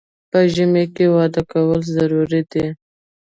په ژمي کې واده کول ضروري دي